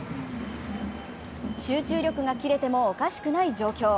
集中力が切れてもおかしくない状況。